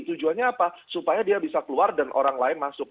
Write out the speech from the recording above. tujuannya apa supaya dia bisa keluar dan orang lain masuk